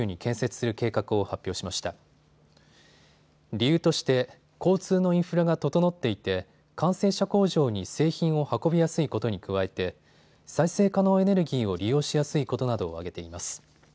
理由として交通のインフラが整っていて完成車工場に製品を運びやすいことに加えて再生可能エネルギーを利用しやすいことなどを挙げています。